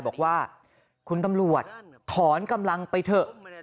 บอกว่าคุณตำรวจถอนกำลังไปเถอะ